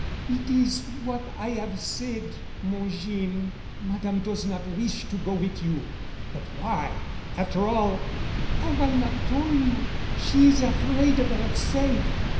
"It is what I 'ave said, mon Jeem. Madame does not wish to go wit' you." "But why——? After all——" "'Ave I not tol' you? She is afraid of 'erself.